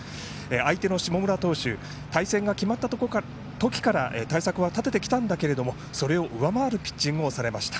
相手の下村投手は対戦が決まった時から対策は立ててきたんだけれどもそれを上回るピッチングをされました。